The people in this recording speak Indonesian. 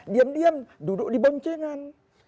diam diam duduk di boncengan